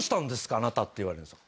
あなた」って言われるんですよ。